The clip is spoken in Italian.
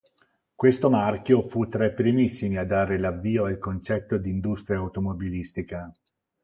Questo marchio fu tra i primissimi a dare l'avvio al concetto di industria automobilistica.